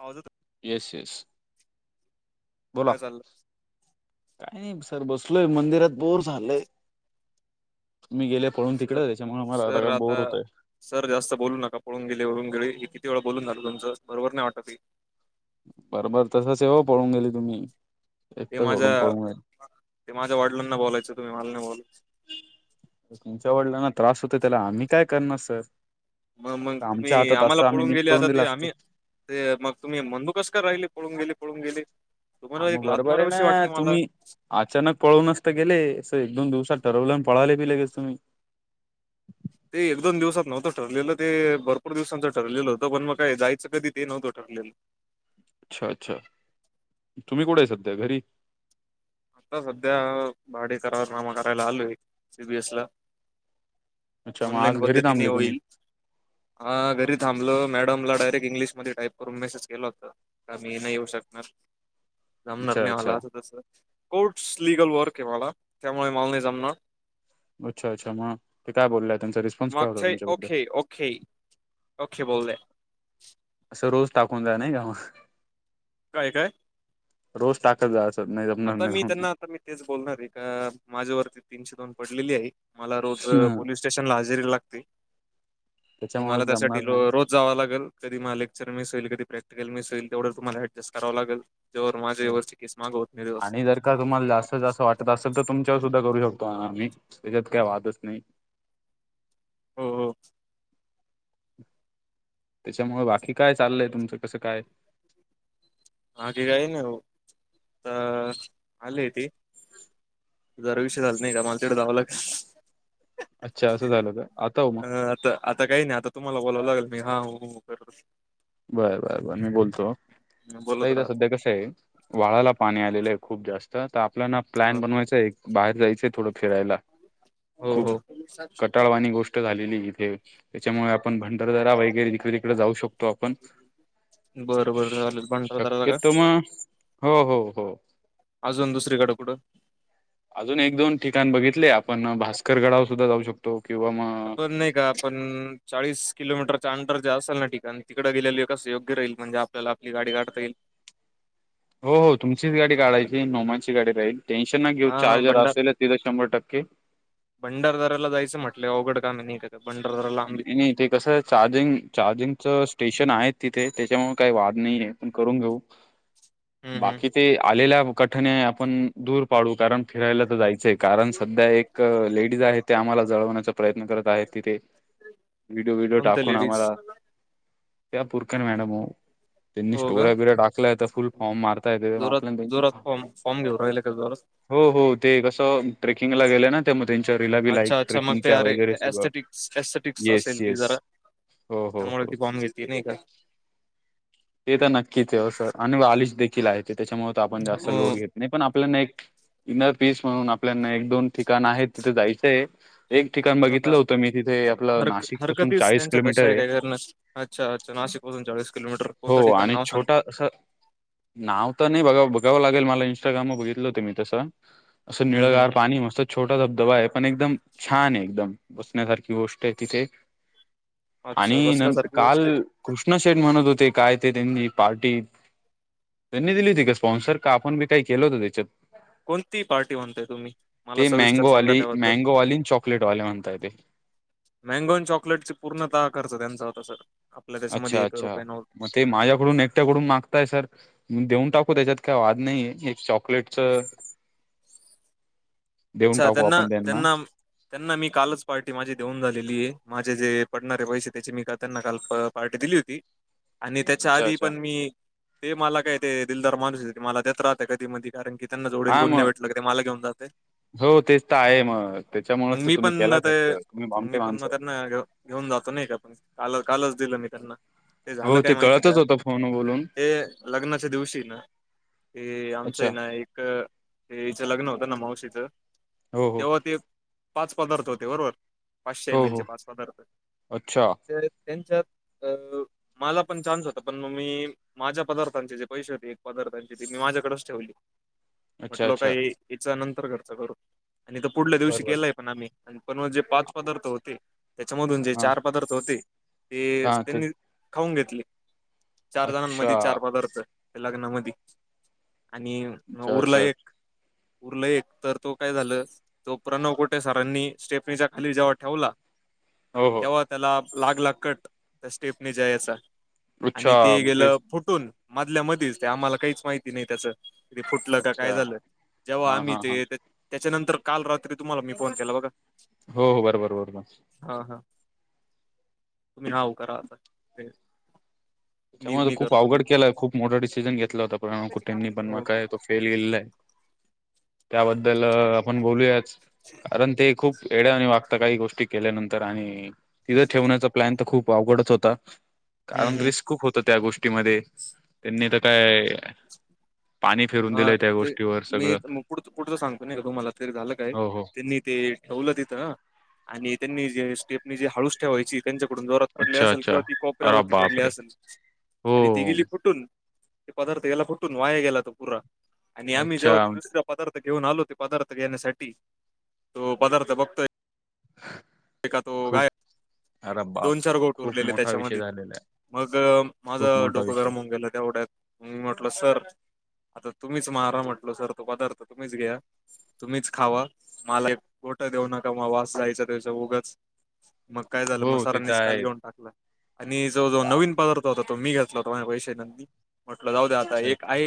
हज yes yes बोला काय चाललं काही नाही सर बसलोय मंदिरात बोर झालाय मी गेल्या कळून तिकड सर त्याच्यामुळ मला आता काय बोर होतय. सर जास्त बोलू नका पळून गेले पळून गेले हे किती वेळा बोलून झालं तुमचं बरोबर नाही वाटत ते. बरोबर तसच आहे हो पळून गेले तुम्ही. ते एकटं सोडून माझ्या पळून गेले ते माझ्या वडिलांना बोलायचं तुम्ही मला नाही बोलायच. तुमच्या वडिलांना त्रास होतोय त्याला आम्ही काय करणार सर. मग मग आमच्या तुम्ही हातात आम्हाला असं आम्ही पळून नीट गेले करून आता दिला ते असतो आम्ही ते मग तुम्ही मंदू कस काय राहिले पळून गेले पळून गेले तुम्हाला आम एक लात बरोबर आहे माराविशी ना वाटते मला. तुम्ही अचानक पळूनच तर गेले अस एक दोन दिवसात ठरवलं न पळाले बी लगेच तुम्ही. ते एक दोन दिवसात नव्हतं ठरलेलं ते भरपूर दिवसांचं ठरलेलं होतं पण मग काय जायचं कधी ते नव्हतं ठरलेलं. अच्छा अच्छा तुम्ही कुठे आहे सध्या घरी. आता सध्या भाडे करारनामा करायला आलोय सीबीएस ला. अच्छा मग ऑनलाईन आज घरी पद्धतीने थांबले तुम्ही होईल. हा घरी थांबलो मॅडमला डायरेक्ट इंग्लिश मधे टाईप करून मेसेज केला होता. का मी नाही येऊ शकणार. जमणार अच्छा नाही मला अच्छा असं तस कोर्ट्स लिगल वर्क आहे मला त्यामुळे मला नाही जमणार. अच्छा अच्छा मग ते काय बोलल्या त्यांचा रिस्पॉन्स काय होता तुच्याबद्दल. ओखे. ओखे बोलले. असं रोज टाकून जा नाही का म. काय काय. रोज टाकत जा अस नाही जमणार आता मी नाही. त्यांना आता मी तेच बोलणार आहे का माझ्यावरती तीनशे दोन पडलेली आहे मला रोज पोलीस स्टेशन ला हेजेरी लागते नी त्याच्यामुळे मला त्यासाठी जमणार रो रोज जावं लागल कधी मला लेक्चर मिस होईल कधी प्रॅक्टिकल मिस होईल तेवढं तुम्हाला ऍडजस्ट कराव लागल. जोवर माझे नाही वरची केस माग होत नाही दिवस आणि जर का तुम्हाला जास्त जास्त वाटत असेल तर तुमच्यावर सुद्धा करू शकतो हा आम्ही त्याच्यात काय वादच नाही. हो हो. त्याच्यामुळ बाकी काय चाललंय तुमचं कसं काय. बाकी काय नाही भाऊ त आलीये ती. जरा उशिर होत नाही का माल तीकडे जावां लाग अच्छा असं झालं का आता हो मग अ आता आता काही नाही आता तुम्हाला बोलावं लागेल मी हा हू हू कर बरं बर बर मी बोलतो हा बोलत काय ग राहत सध्या कस वाळाला पाणी आलेलं आहे खूप जास्त तर आपल्याला हा प्लॅन बनवायच आहे बाहेर जायचय थोडं फिरायला हो खूप हो कटाळवानी गोष्ट ष्ट झालेली आहे इथे त्याच्यामुळे आपण भंडारदारा वगैरे इतड तिकड जाऊ शक तो आपण बरं बरं चालेल भंडारदराला का शक्यतो मग हो हो हो. अजून दुसरीकड कुडं. अजून एक दोन ठिकाण बघितले आपण भास्कर गडावर सुद्धा जाऊ शकतो किंवा मग अ नाही का पण चाळीस किलोमीटर चा अंडर जे असल ना ठिकाण तिकडे गेलेलं कस योग्य राहील म्हणजे आप आपल्याला आपली गाडी काढता येईल. हो हो, तुमचीच गाडी काढायची, नोमांची गाडी राहील. टेन्शन नका घेऊ, हा चार्जर असेल तिथं शंभर टक्के. भंडारदाराला जायचं म्हटलं, अवघड काम नाही नाहीऽ त्या भंडारदराला. नाही ते कसं आहे चार्जिंग चार्जिंगच स्टेशन आहेत तिथे त्याच्यामुळे काही वाद नाही आहे पण करून घेऊ. हम्म हम्म बाकी ते आलेल्या मु काठीने आपण दूर पाडू कारण फिरायला तर जायचंय कारण सध्या हे एक लेडीज आहे ते आम्हाला जळवण्याचा प्रयत्न करत आहेत, ईथे. व्हिडिओ व्हडिओ कोणत्या टाकून लेडीज आम्हाला. त्या पुरकर मॅडम ओ,, त्यांनी हो का स्टोर्या बिर्या टाकल्या आता फुलऽ फॉर्म मारता येतय, ते जोरात आपल्या त्यांचीऽ जोरात फॉर्म फॉर्म घेऊ राहिले का जोरात हो हो, ते कसं, ट्रेकिंगला गेलं ना ते,, मग त्यांच्या रिला बीला लाईक, ट्रेकिंगच्या वगैरे सगळं. एथटिक्स येस, असेल ती येस. जरा, हो, हो, त्यामुळे हो. ती फॉर्म घेत नाही का? ते तर नक्कीच आहे अस,, आणि आलीश देखील आहे ते,, त्याच्यामुळे तर आपण जास्त हो लोड घेत ऽ नाही पण आपल्याना एक इनर पीस म्हणून आपल्याना,, एक दोन ठिकाण आहेत,, तिथे जायचंय. एक ठिकाण आता बघितलं होतं मी,, तिथे आपलं नाशिक पासून चाळीस किलोमीटर आहे. सरनऽ अच्छा, अ्छा, नाशिकासून चाळीस किलोमीटर कोणतं हो,, ठिकाण आणि नाव सांग छोटा, असऽ नाव तर नाही बघा, बघावं लागेल मला इंस्टाग्राम वर बघितलं होत मी तसं. असं हम्म हम्म निळगार पाणीय मस्त. छोटा धबधबा आहे, पण एकदम छान आहे एकदम, बसण्यासारखी गोष्ट आहे तिथे. आणि अच्छा न,, बसण्यासारखी काल गोष्ट आहे कृष्णशेठ म्हणत होतेऽ काय ते त्यांनी पार्टी,, त्यांनी दिली होती का स्पॉन्सर,, का आपण बी काही केलं होतं त्याच्यातऽ कोणती पार्टी म्हणताय तुम्ही मला ते सविस्तर सांगा मँगोवाली, त्याबद्दल मँगोवाली, चॉकलेट वाले म्हणताय तेऽ मँगोन चॉकलेट चे पूर्णतः खर्च त्यांचा होता सर,, आपल्या त्याच्यामध्ये अच्छा एक ही अच्छा रुपया नव्हता. मग ते माझ्याकडून, एकट्याकडून मागताय सर. देऊन टाकू, त्याच्यात काय वाद नाही ते,, एक चॉकलेटच. देऊन अच्छा,, टाकू त्यांना, आपण त्यांना. त्यांना मी कालच पार्टी माझी देऊन झालेली आहे,, माझे जे पडणारे पैसे,, त्याचे मी त्यांना कालऽ पार्टी दिली होती. आणि त्याच्या अच्छा आधी अच्छा पण मी,, ते मला काय ते दिलदार माणूस येते, मला देत राहत कधी मधीऽ कारण की त्यांना जोडीला हा कोणी नाही मग भेटलं का ते मला घेऊन जाते. हो तेच तर आहे मग,, मग त्याच्यामुळच तर मी तुम्ही केला पण ते घडच, तुम्ही बामटे मी पण मग माणसऽ त्यांना घेऊ घेऊन जातो नाही का,, आपण काल कालच दिलं मी त्यांना. हो,, ते कळतच होतं फोनऽ हे,, लग्नाच्या दिवशी नाऽ ते,, आमचं अच्छा आहे ना एक,, लग्न होतं ना मावशीचंऽ हो हो तेव्हा ते, पाच पदार्थ होते बरोबर. पाचशे एम हो एलचे हो पाच पदार्थ,, अच्छा तर त्यांच्यात अऽ मला पण चा्स होता, पण मग मी माझ्या पदार्थांचे जे पैसे होते, एक पदार्थांचे ते मी माझ्याकडेच ठेवलेऽ अच्छा म्हटल का अच्छा ही,, हिचा नंतर खर्च करूऽ आणि त पुढल्या दिवशी बरोबर केलाय पण आम्ही,, पण म जे पाच पदार्थ होतेऽ त्याच्यामधून जे हा चार पदार्थ होते,, ते हा ते त्यांनी खाऊन घेतले. चार अच्छा जणांमध्येध चार पदार्थ,,, लग्नामध्ये,, आणिऽ अच्छा उरला अच्छा एक,, उरला एक, तर तोऽ काय झालं तो प्रणव कोटे सरांनी स्टेफनीच्या खाली जेव्हा ठेवला हो हो तेव्हा त्याला लागला कट त्या स्टेपने जायचा अच्छा आणि ते मग गेलं तेच फुटून मधल्या मधच ते आम्हाला काहीच माहिती नाही त्याचं फुटलं का अच्छा काय झालं जेव्हा हा आम्ही हा हा ते त्याच्यानंतर काल रात्री तुम्हाला मी फोन केला बघा हो हो,, बरोबर बरो बर. हा हा,, तुम्ही हव करा,, आता तेऽ त्याच्यामुळे खूप अवघड केलाय,, खूप मोठा डिसिजन घेतला होता,, प कुठेनी पण हो म काय तो फेल गेलेला आहे. त्याबद्दल आपण बोलूयाच,, कारण ते खूप येड्या आणि वागऽ आता काही गोष्टी केल्यानंतर आणि,, तिथं ठेवण्याचा प्लॅन तर खूप अवघडच होता. हम्म कारण हम् रिस्क खूप होतं त्या गोष्टीमध्ये,, त्यांनी तर कायऽ हा, ते मी पु पुुढच सांगतो,, नाही का,, तुम्हाला तरी, झालं काय,, हो हो तेऽ ते ठेवलं तिथं, ष आणि त्यांनी जे स्टेपनी,, जे हाळूस ठेवायचीऽ त्यांच्याकडून जोरात पडले अच्छा असेल अच्छा किंवा ती अरे कोपऱ्यावरती पडली बापरे असेल हो आणि ती गेली फुटून ते पदार्थ याला फुटून वाया गेला हो तो पुूरा आणि आम्ही अच्छा जेव्हा त दुसऱ पदार्थ घेऊन आलो ते पदार्थ घेण्यासाठी तो पदार्थ बघतोय ए का तो खूप गाय अरे बाप दोन चार गोट खूप उरलेले मोठा विषय त्याच्यामध्ये झालेला आहे मग खूप माझं मोठा डोकं विषय गरामून गेलं तेवढ्यात मी म्हटलं सर आता तुम्हीच मारा म्हटलो सर तो पदार्थ तुम्हीच घ्या तुम्हीच खावा मला एक गोठं देऊ नका म वास जायचं त्याचं उगच काय झालं हो ते तर मसाारांनीच काल आहे घेऊन टाकला आणि जो जो बाप नवीन पदार्थ हो तो मी घेतला होताो माझ्या पैश म्हटलं जाऊ द्या आता अच्छा एक आ अच्छा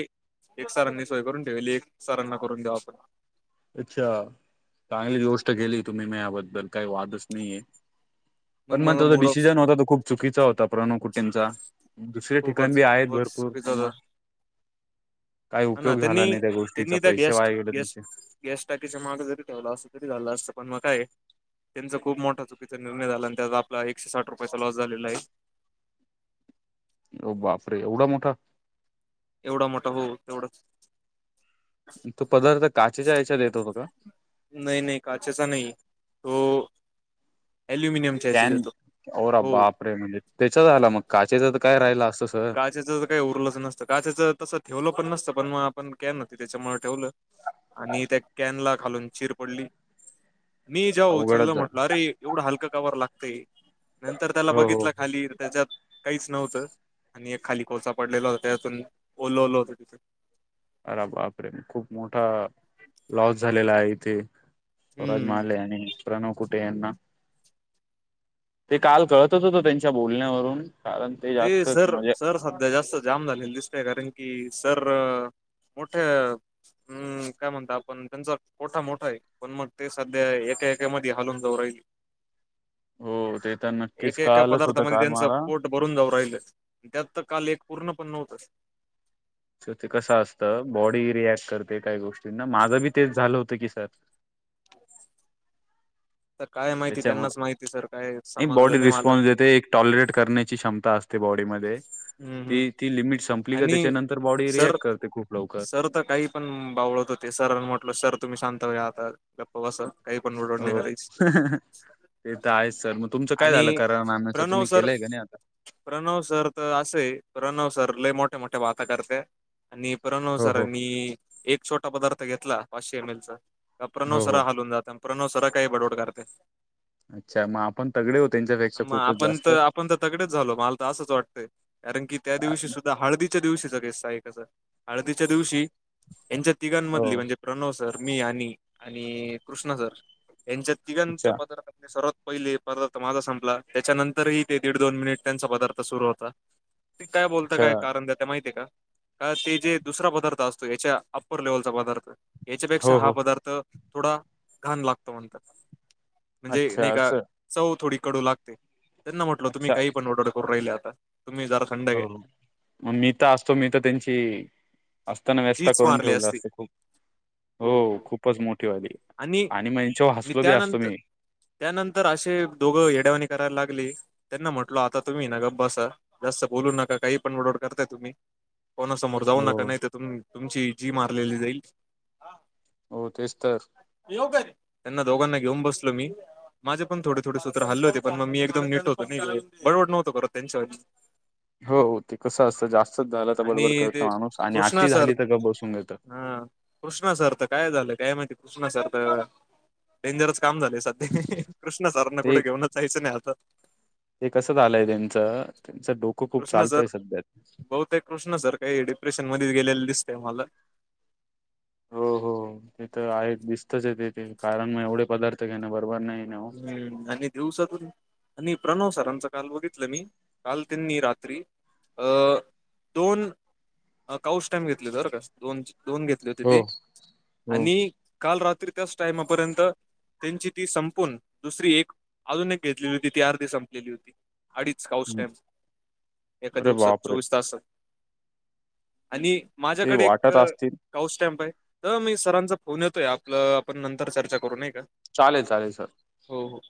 एक सरांनी सोय करून ठेवाली एक सरांना करून द्याऊ आपण अच्छा चांगली गोष्ट केेली तुम्ही म या्याबद्दल काही वादच नाहीये पण मग माझा त जो मूड ऑफ डिसिजन होता तो खूप चुकीचा होता प्रणू कुटींचा दुसरे ठिकाण खूपच बी आहेत खूपच भरपूर चुकीचं पण म होतं काय हा ना उपयोग झाला त्यांनी नाही त्या गोष्टीचा त्यांनी त्या पैसे गॅस वाय गेले गॅस तुमचे गॅस टाकीचा माग जरी ठेवला असत तरी झालं असतं पण मग काय त्यांचा खूप मोठा चुकीचा निर्णय झाला आणि त्यात आपला एकशे साठ रुपयाचा लॉस झालेला आहे बापरे एवढा मोठा एवढा मोठा हो तेवढं तो पदार्थ काचेच्या याच्या देत होतो का नाही नाही काचचा नाही त अल्युमिनियम कॅन ओरा बापरे म्हणजे त्याच्या आला मग काचेच तर काय राहिला असत काच्याच काही उरलंच नसत का त्याचं तं ठेवलं पण नसत पण मग आपण का न त्याच्यामुळे ठेवलं आणि त्या कॅनला खालून चिर पडली मी जाऊ अवघडच चललं झालं म्हटल अरे एवढा हलका कवर लागतंय नंतर त्याला हो हो बघितलं हो खाली त्याच्यात काहीच नव्हतं आणि एक खाली कोळचा पडलेला होता त्यातून ओलो ललं होत तिथे अरा बापे खूप मोठा लॉस झालेला आहे इथे स्वराज हम्म. मले आणि प्रणव कुटे यांना ते काल कळतच होतं त्यांच्या बोलण्यावरून कारण ते जास्तच सर म्हणजे सर सध्या जास्त जाम झालेलं दिसतय कारण की सर मोठ्या हम्म काय म्हणता आपण त्यांचा पठा मोठा आहे पण मग ते सध्या एकाएकामध्ये हालून दौ राहिले हो ते तर नक्कीच एक एक कळालच होतं पदार्थध्ये काल त्यान मला सपोर्ट भरून जाऊ राहिलं त्यात तर काल एक पूर्ण पण नव्हतं ते कस असतं बॉडी रिॲक्ट करते काही गोष्टींना माझं बी तेच झालं होतं की सर तर काय माहिती त्यांनाच त्याच्यामुळे माहिती सर काय समजलं नाही मला टॉलरे करण्याची क्षमता असते बॉडीमध्ये हम्म हम्म ती ती लिमिट संपली ग आणि त्याच्यानंतर बॉडी सर रिएक्ट करते खूप लवकर सर काही पण बावळत होते सर म्हटल सर तुम्ही शांत हो आता हो असं काही पण रडड नाही हो करायची ते तर आहेच सर मग तुमचं काय झालं आणि करा माम्याच प्रणव तुम्ही सर केलंय का नाही आता प्रणव सर तर असय प्रणव सर लय मोठे मोठे वाता करतय आणि प्रणव हो हो सरानी एक छोटा पदार्थ घेतला पाचशे एम एलचा का प्रणव हो हो सरा हालून जात प्रणव सरा काही बडबड करत्यात अच्छा मग आपण तगडे हो त्यांच्यापेक्षा मग खूपच आपण जास्त तर आपण तर तगडेच झालो माल असंच वाटतय कारणकी त्या दिवशी कारण सुद्धा तर हळदीच्या दिवशीचा किस्सा आहे कसा हळदीच्या दिवशी यांच्या हो तिघांमधली म्हणजे प्रणव सर तर मी आणि आणि कृष्णा सर यांच्या अच्छा तिघांच्या पदार्थात सर्वात पहिले पदार्थ माझा संपला त्याच्यानंतरही ते दीड दोन मिनिट त्यांचा पदार्थ सुरू होता. ते काय बोलता अच्छा काय कारण देता माहतीय का का ते जे दुसरा पदार्थ असतो याच्या अप्पर लेव्हलचा पदार्थ याच्यापेक्षा हो हा हो पदार्थ थोडा घाण लागतो म्हणतात म्हणजे अच्छा नाही का असं चव थोडी कडू लागते त्यांना म्हटलं तुम्ही अच्छा काही पण ऑर्डर करून राहिले आता तुम्ही जरा थंड हो घ्या मग मी तर असतो मी तर त्यांची असताना व्यस्थता जीच करून मारली असती ठेवलास हो खूपच मोठी वाली आणि मग ह्यांच्यावर आणि हसलो बी असतो त्यानंतर मी त्यानंतर असे दोघं येड्यावाणी करायला लागले त्यांना म्हटलो आता तुम्ही ना गप बसा जास्त बोलू नका काही पण बडवड करताय तुम्ही कोणासमोर जाऊ नका हो नाही तर तुम तुमची जी मारलेली जाईल हो तेच तर येऊ काय त्यांना दोघांना घेऊन बसलो मी माझे पण थोडे थोडे सूत्र हल्ले होते पण मग मी एकदम निट होतो नाही गडबड नव्हतं ख त्यांच्या आजी हो ते कसं असतं जास्तच झालं तर बडबड आणि करत ते माणूस आणि कृष्णा आती सर झाली तर गप बसून घेतात. हा कृष्णा सर तर काय झालं काय माहिती कृष्णा सर तर डेंजरस काम झालं सध्या कृष्णा सरांना ते कुठे घेऊन जायचं नाही आता ते कसं झालय त्यांच त्यांच डोक कृष्णा सर बहुतेक कृष्णा सर काही डिप्रेशन मध्येच गेलेलं दिसते म्हला हो हो ते तर आहे दिसतच आहे तेथ ते कारण मग एवढे पदार्थ घेणे बरोबर नाही ना हो हम्म आणि दिवसातून आणि प्रणव सरांचं काल बघितलं मी काल त्यांनी रात्री अ दोन अकाउंट स्टँप घेतले बरं का दो दोन घेत त हो ते हो आणि काल रात्री त्याच टाइमापर्यंत त्यांची ती सं पण दुसरी एक अजून एक घेतलेली होती ती अर्धी संपलेली होती अडीच हं. काउस्टॅम एका अरे दिवसात बापरे! चोवीस तासात आणि ते माझ्याकडे एक वाटत असतील. काऊस्टॅम्प आहे तर मी सरांचा फोन येतोय आपलं आपण नंतर चर्चा करू नाही का चालेल चालेल सर हो हो